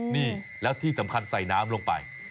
นี่แล้วที่สำคัญใส่น้ำลงไป